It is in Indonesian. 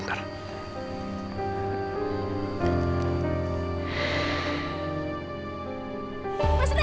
tentang perubahan kau